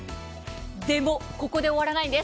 でも、ここで終わらないんです。